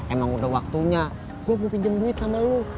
emang udah waktunya gue mau pinjam duit sama lo